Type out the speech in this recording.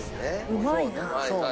うまいな。